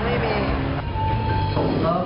สวัสดีครับ